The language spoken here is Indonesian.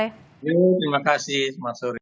terima kasih selamat sore